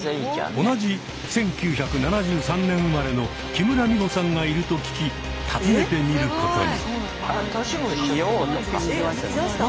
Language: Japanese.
同じ１９７３年生まれの木村美穂さんがいると聞き訪ねてみることに。